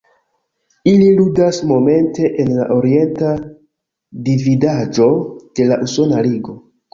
Ili ludas momente en la Orienta Dividaĵo de la Usona Ligo.